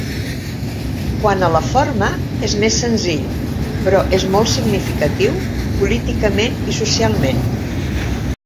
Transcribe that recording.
Quant a la forma, és més senzill, però és molt significatiu políticament i socialment.